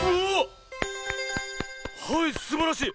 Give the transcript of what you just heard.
はいすばらしい！